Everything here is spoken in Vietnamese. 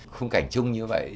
khung cảnh chung như vậy